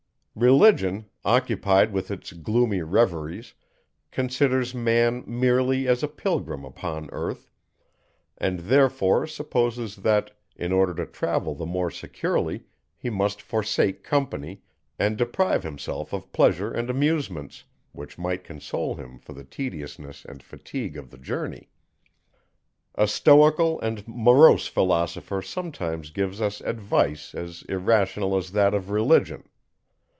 Religion, occupied with its gloomy reveries, considers man merely as a pilgrim upon earth; and therefore supposes that, in order to travel the more securely, he must forsake company, and deprive himself of pleasure and amusements, which might console him for the tediousness and fatigue of the journey. A stoical and morose philosopher sometimes gives us advice as irrational as that of Religion.